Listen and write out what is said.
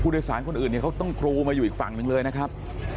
ผู้โดยสารตัวอื่นนี้เขาต้องเนยูอยู่อีกฝั่งเลยนะครับ